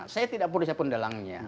saya tidak perlu siapapun dalangnya